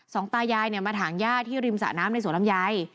สองตายายมาถางย่าที่ริมสระน้ำในสวรรมยาย